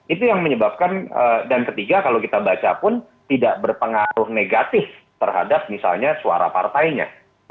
itu yang menyebabkan dan ketiga kalau kita baca pun tidak berpengaruh negatif terhadap misalnya suara partainya